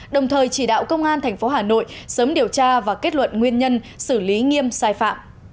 đồng thời chỉ đạo công an tp hà nội sớm điều tra và kết luận nguyên nhân xử lý nghiêm sai phạm